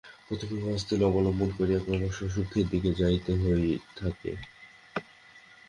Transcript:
প্রথমে উহা স্থূলকে অবলম্বন করিয়া ক্রমশ সূক্ষ্মের দিকে যাইতে থাকে।